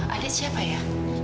adik siapa ya